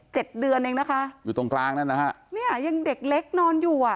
เดือนเองนะคะอยู่ตรงกลางนั่นนะฮะเนี่ยยังเด็กเล็กนอนอยู่อ่ะ